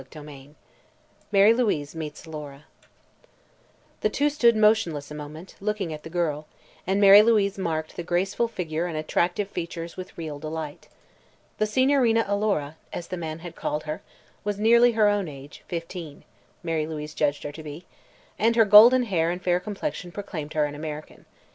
CHAPTER VIII MARY LOUISE MEETS ALORA The two stood motionless a moment, looking at the girl, and Mary Louise marked the graceful figure and attractive features with real delight. The Signorina Alora, as the man had called her, was nearly her own age fifteen, Mary Louise judged her to be and her golden hair and fair complexion proclaimed her an American.